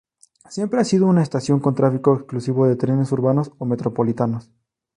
Siempre ha sido una estación con tráfico exclusivo de trenes urbanos o metropolitanos.